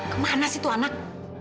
kemana sih itu anak